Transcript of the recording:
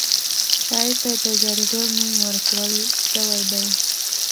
شاعر ته د جادوګر نوم ورکړل شوی دی.